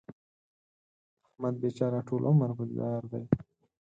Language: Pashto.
د احمد بېچاره ټول عمر په دار دی.